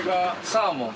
サーモン。